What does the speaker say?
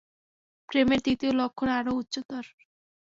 প্রেমের তৃতীয় লক্ষণ আরও উচ্চতর।